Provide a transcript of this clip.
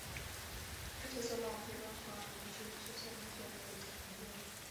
Tatizo la ajira kwa wananchi hususani vijana litapungua